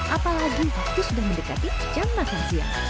apalagi waktu sudah mendekati jam makan siang